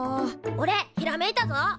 おれひらめいたぞ。